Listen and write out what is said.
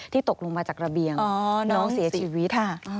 ตกลงมาจากระเบียงน้องเสียชีวิตค่ะ